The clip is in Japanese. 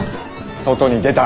外に出た。